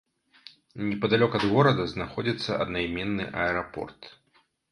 Непадалёк ад горада знаходзіцца аднайменны аэрапорт.